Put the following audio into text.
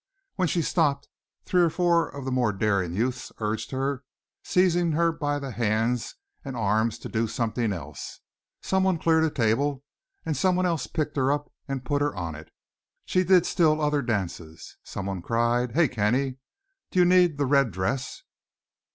When she stopped, three or four of the more daring youths urged her, seizing her by the hands and arms, to do something else. Someone cleared a table and someone else picked her up and put her on it. She did still other dances. Someone cried, "Hey, Kenny, do you need the red dress?"